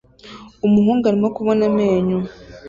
Umuhungu arimo kubona amenyo